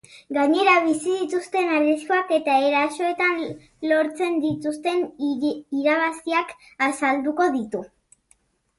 Gainera, bizi zituzten arriskuak eta erasoetan lortzen zituzten irabaziak azalduko ditu.